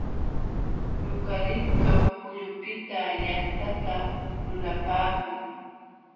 Yukaliptu kullupiqta yantata lulapaakun.